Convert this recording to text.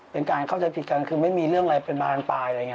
เป็นการเข้าใจผิดกันคือไม่มีเรื่องอะไรเป็นมากับอันปลาย